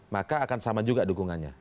maka akan sama juga dukungannya